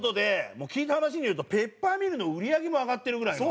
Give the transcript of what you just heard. もう聞いた話によるとペッパーミルの売り上げも上がってるぐらいの。